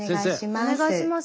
お願いします。